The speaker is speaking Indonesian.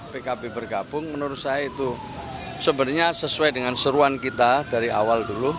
pkb bergabung menurut saya itu sebenarnya sesuai dengan seruan kita dari awal dulu